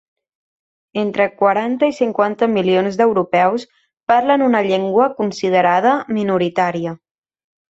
Entre quaranta i cinquanta milions d’europeus parlen una llengua considerada minoritària.